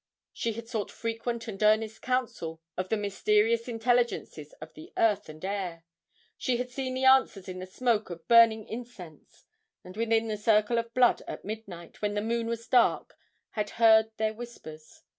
She had sought frequent and earnest counsel of the mysterious intelligences of the earth and air. She had seen their answers in the smoke of burning incense, and within the circle of blood at midnight, when the moon was dark, had heard their whispers.